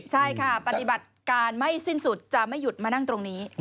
ใช่ค่ะปฏิบัติการไม่สิ้นสุดจะไม่หยุดมานั่งตรงนี้